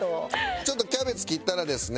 ちょっとキャベツ切ったらですね